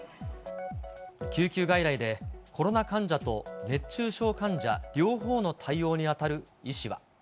救急外来でコロナ患者と熱中症患者、両方の対応に当たる医師は。